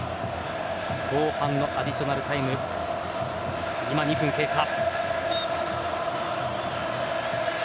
後半のアディショナルタイム２分経過。